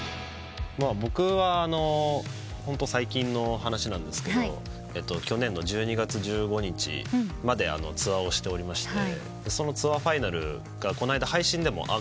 僕はホント最近の話なんですけど去年の１２月１５日までツアーをしておりましてそのツアーファイナルがこの間配信でも。